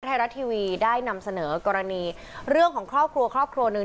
ไทยรัฐทีวีได้นำเสนอกรณีเรื่องของครอบครัวครอบครัวหนึ่ง